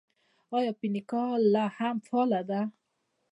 آیا فینکا لا هم فعاله ده؟